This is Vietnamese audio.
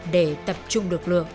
để tập trung được lượng